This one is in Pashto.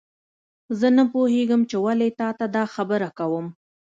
زه نه پوهیږم چې ولې تا ته دا خبره کوم